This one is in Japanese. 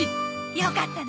よかったね。